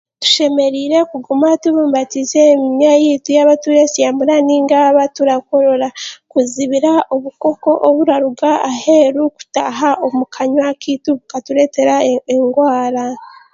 Tushemereire kuguma tubumbatiize eminywa yaitu yaaba tureesyamura nainga yaaba turakorora kuzibira obukoko oburaruga aheeru kutaaha omu kanywa kaitu bukatureebera engwara.